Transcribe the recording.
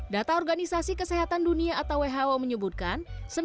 data organisasi kesehatan dunia atau who menyebutkan